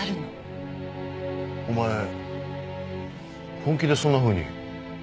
お前本気でそんなふうに？